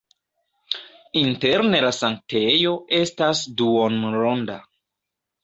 Interne la sanktejo estas duonronda.